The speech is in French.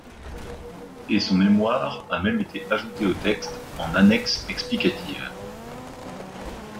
Et son ‘mémoire’ a même été ajouté au texte, an annexe explicative.